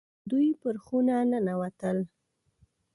دوی پر خونه ننوتل.